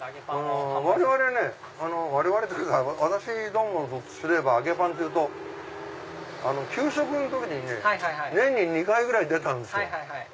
我々ね我々というか私どもとすれば揚げパンというと給食の時にね年に２回ぐらい出たんですよ。